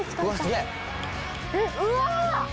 うわ！